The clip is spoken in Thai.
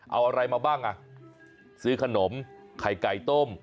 เอาอะไรมาบ้างอ่ะซื้อขนมไข่ไก่ต้ม